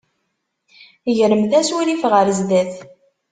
Gremt asurif ɣer sdat.